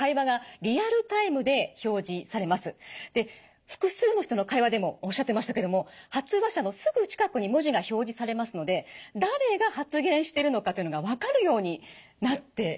で複数の人の会話でもおっしゃってましたけども発話者のすぐ近くに文字が表示されますので誰が発言してるのかというのが分かるようになっているんです。